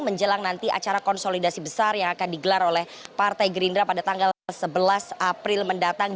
menjelang nanti acara konsolidasi besar yang akan digelar oleh partai gerindra pada tanggal sebelas april mendatang